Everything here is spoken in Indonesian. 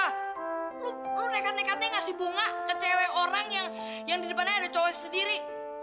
lu nekat nekatnya ngasih bunga ke cewek orang yang di depannya ada cowoknya sendiri